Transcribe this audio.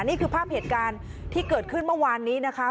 นี่คือภาพเหตุการณ์ที่เกิดขึ้นเมื่อวานนี้นะคะ